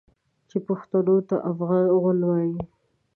چې پښتنو ته افغان غول وايي.